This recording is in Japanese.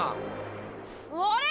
あれ？